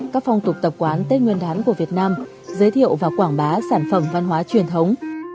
các phong tục tập quán tết nguyên đán của việt nam giới thiệu và quảng bá sản phẩm văn hóa truyền thống